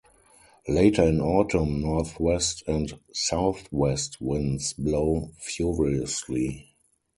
Later in autumn, northwest and southwest winds blow furiously.